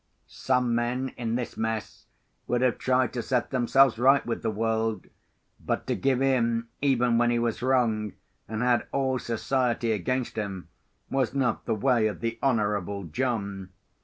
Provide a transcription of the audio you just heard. Some men in this mess would have tried to set themselves right with the world. But to give in, even when he was wrong, and had all society against him, was not the way of the Honourable John.